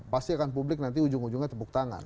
pasti akan publik nanti ujung ujungnya tepuk tangan